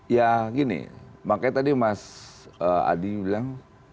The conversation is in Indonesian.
ya gini makanya tadi mas adi bilang